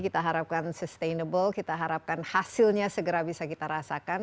kita harapkan sustainable kita harapkan hasilnya segera bisa kita rasakan